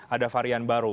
ada varian baru